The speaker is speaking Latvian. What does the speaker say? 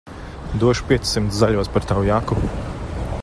Došu piecsimt zaļos par tavu jaku.